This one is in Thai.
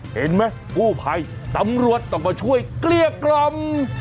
เห็นไหมกู้ภัยตำรวจต้องมาช่วยเกลี้ยกล่อม